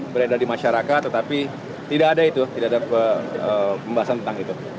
beredar di masyarakat tetapi tidak ada itu tidak ada pembahasan tentang itu